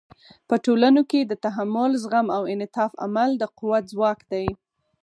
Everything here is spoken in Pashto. په ټولنو کې د تحمل، زغم او انعطاف عمل د قوت ځواک دی.